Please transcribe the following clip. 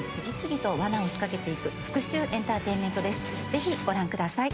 ぜひご覧ください。